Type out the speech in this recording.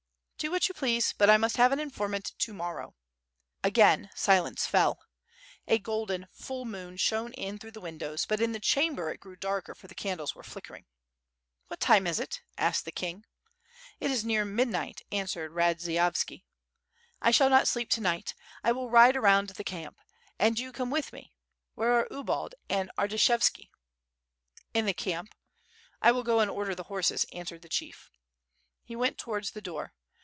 "Do what you please, but 1 must have an informant to morrow." Again silence fell. A golden, full moon shone in through the windows, but in the chamber it grew darker for the candles were flickering. "What time is it?" asked the king. "It is near midnight," answered Kadzieyovski. "I shall not sleep to night. 1 will ride around the camp, and you come with me. Where are Ubald and Artishevski?" "in the camp. I will go and order the horses," answered the chief. He went towards the door.